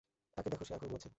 তাকে দেখ, সে এখনো ঘুমাচ্ছে।